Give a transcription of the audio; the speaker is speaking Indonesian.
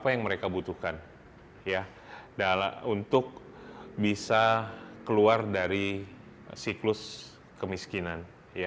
apa yang mereka butuhkan untuk bisa keluar dari siklus kemiskinan